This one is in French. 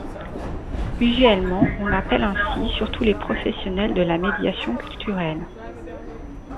Usuellement, on appelle ainsi surtout les professionnels de la médiation culturelle.